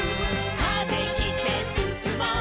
「風切ってすすもう」